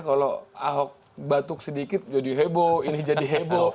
kalau ahok batuk sedikit jadi heboh ini jadi heboh